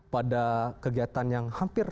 pada kegiatan yang hampir